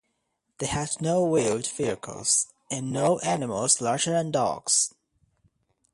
They had no wheeled vehicles, and no animals larger than dogs.